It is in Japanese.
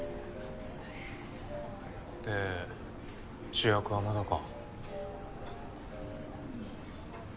て主役はまだか？